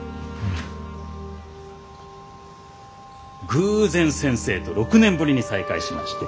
偶然先生と６年ぶりに再会しまして。